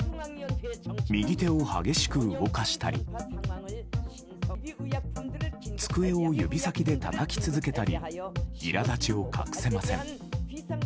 右手を激しく動かしたり机を指先でたたき続けたり苛立ちを隠せません。